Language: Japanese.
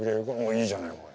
いいじゃないこれ。